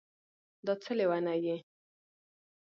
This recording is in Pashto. دا څه لېونی یې